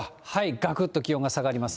がくっと気温が下がります。